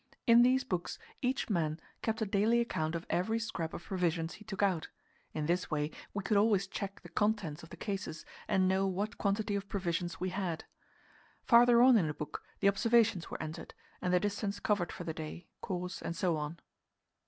In these books each man kept a daily account of every scrap of provisions he took out; in this way we could always check the contents of the cases, and know what quantity of provisions we had. Farther on in the book the observations were entered, and the distance covered for the day, course, and so on.